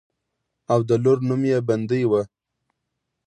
او د لور نوم يې بندۍ وۀ